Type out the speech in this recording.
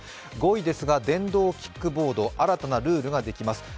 ５位ですが、電動キックボード、新たなルールができます。